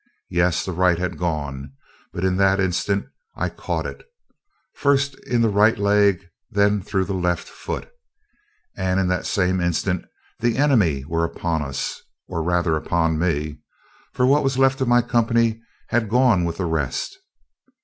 Yes, the right had gone; but in that instant I caught it, first in the right leg, then through the left foot, and in that same instant the enemy were upon us, or rather upon me, for what was left of my company had gone with the rest.